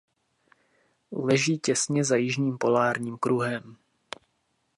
Leží těsně za jižním polárním kruhem.